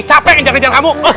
capek yang jalan jalan kamu